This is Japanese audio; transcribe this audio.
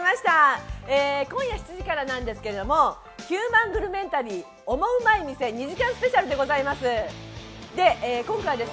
今夜７時から『ヒューマングルメンタリーオモウマい店』２時間スペシャルです。